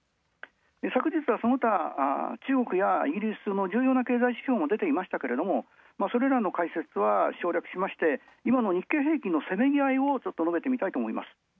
昨日はその他、中国やイギリスの重要な経済指標も出ていましたけれども、それらの解説は省略しまして、日経平均のせめぎあいも見てみたいと思います。